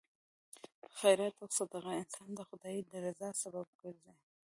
خیرات او صدقه انسان د خدای د رضا سبب ګرځي.